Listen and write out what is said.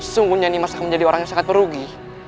sungguhnya nimas akan menjadi orang yang sangat merugi